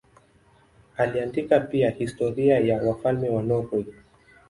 Aliandika pia historia ya wafalme wa Norwei.